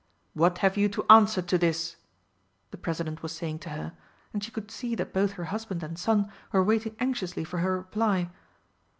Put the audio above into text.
"What have you to answer to this?" the President was saying to her, and she could see that both her husband and son were waiting anxiously for her reply.